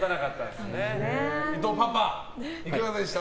伊藤パパ、いかがでした？